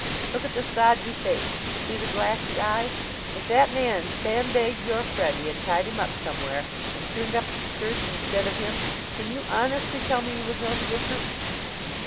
Look at the stodgy face. See the glassy eye. If that man sandbagged your Freddie and tied him up somewhere, and turned up at the church instead of him, can you honestly tell me you would know the difference?